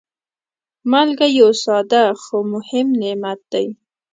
مالګه یو ساده، خو مهم نعمت دی.